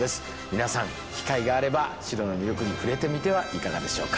皆さん機会があれば城の魅力に触れてみてはいかがでしょうか。